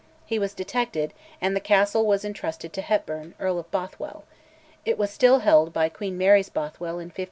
He was detected, and the castle was intrusted to a Hepburn, Earl of Bothwell; it was still held by Queen Mary's Bothwell in 1567.